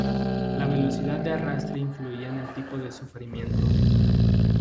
La velocidad de arrastre influía en el tipo de sufrimiento.